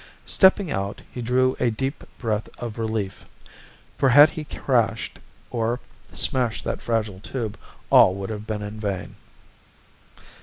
Stepping out, he drew a deep breath of relief. For had he crashed, or smashed that fragile tube, all would have been in vain.